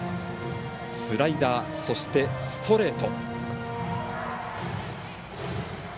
スライダー、そしてストレート。